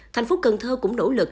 thành phố cần thơ cũng nỗ lực